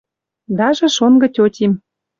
Даже шонгы тьотим